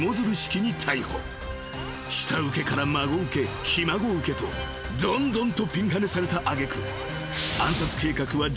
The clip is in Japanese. ［下請けから孫請けひ孫請けとどんどんとぴんはねされた揚げ句］